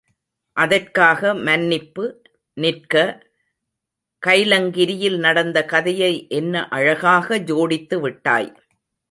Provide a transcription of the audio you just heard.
அதற்காக மன்னிப்பு, நிற்க, கைலங்கிரியில் நடந்த கதையை என்ன அழகாக ஜோடித்து விட்டாய்.